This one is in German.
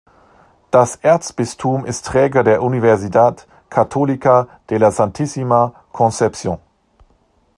Das Erzbistum ist Träger der Universidad Católica de la Santísima Concepción.